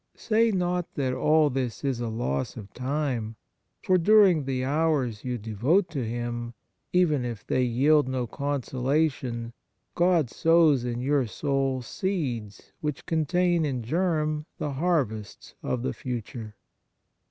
Say not that all this is a loss of time, for during the hours you devote to Him, even if they yield no consolation, God sows in your soul seeds which con tain in germ the harvests of the future.